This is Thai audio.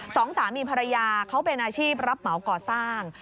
สองสามีภรรยาเขาเป็นอาชีพรับเหมาก่อสร้าง